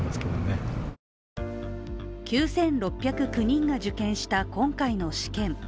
９６０９人が受験した今回の試験。